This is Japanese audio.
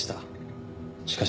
しかし。